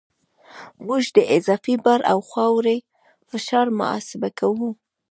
موږ د اضافي بار او خاورې فشار محاسبه کوو